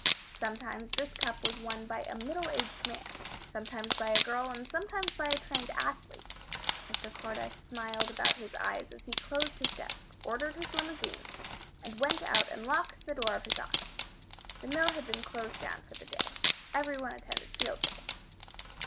Sometimes this cup was won by a middle aged man, sometimes by a girl, and sometimes by a trained athlete. Mr. Cordyce smiled about his eyes as he closed his desk, ordered his limousine, and went out and locked the door of his office. The mill had been closed down for the day. Everyone attended Field Day.